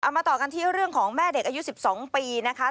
มาต่อกันที่เรื่องของแม่เด็กอายุ๑๒ปีนะคะ